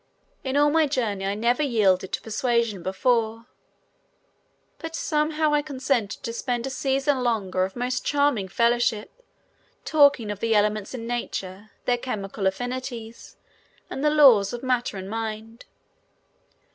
In all my journey I never yielded to persuasion before. But somehow I consented to spend a season longer of most charming fellowship, talking of the elements in nature, their chemical affinities, and the laws of matter and mind.